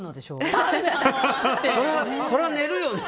それは寝るよね。